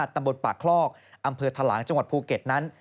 ตำบลปากคลอกอำเภอทะหลางจังหวัดภูเก็ตนั้น